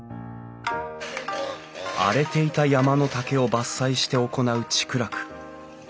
荒れていた山の竹を伐採して行う竹楽。